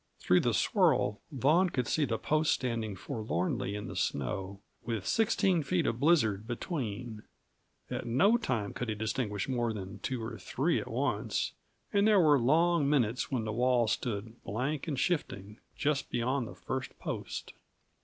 Through the swirl Vaughan could see the posts standing forlornly in the snow, with sixteen feet of blizzard between; at no time could he distinguish more than two or three at once, and there were long minutes when the wall stood, blank and shifting, just beyond the first post.